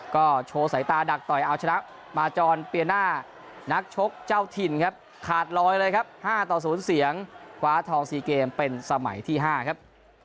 ก็โชว์สายตาดักต่อยเอาชนะมาจอนเปียน่านักชกเจ้าถิ่นครับขาดลอยเลยครับ๕ต่อ๐เสียงคว้าทอง๔เกมเป็นสมัยที่๕ครับ